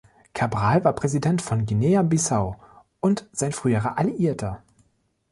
Cabral war Präsident von Guinea-Bissau und sein früherer Alliierter.